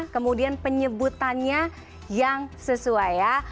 kemudian penyebutannya yang sesuai ya